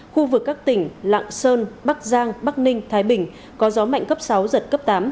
khu vực các tỉnh lạng sơn bắc giang bắc ninh thái bình có gió mạnh cấp sáu giật cấp tám